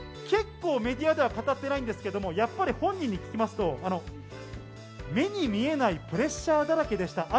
結構メディアでは話していないんですけど、本人に聞くと目に見えないプレッシャーだらけでした。